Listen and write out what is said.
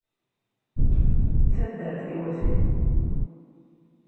D taddart-iw, a Sidi.